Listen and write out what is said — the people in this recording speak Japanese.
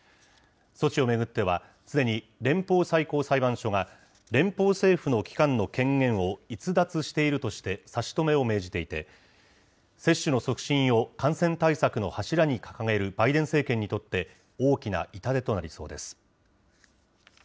措置を巡ってはすでに連邦最高裁判所が連邦政府の機関の権限を逸脱しているとして差し止めを命じていて、接種の促進を感染対策の柱に掲げるバイデン政権にとって大きな痛手となりそうです。